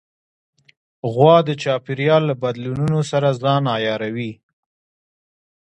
غوا د چاپېریال له بدلونونو سره ځان عیاروي.